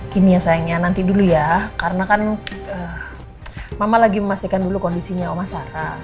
kimia sayangnya nanti dulu ya karena kan mama lagi memastikan dulu kondisinya oma sarah